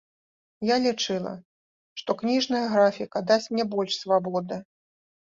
Я лічыла, што кніжная графіка дасць мне больш свабоды.